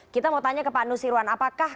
kita mau tanya ke pak nusirwan apakah